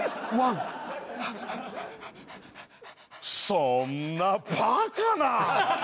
そんなバカな！